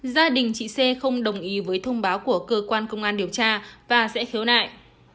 gia đình chị xê không đồng ý với thông báo của cơ quan công an điều tra và sẽ khiếu nại